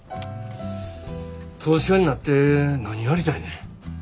投資家になって何やりたいねん。